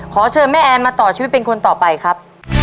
ขอเชิญแม่แอนมาต่อชีวิตเป็นคนต่อไปครับ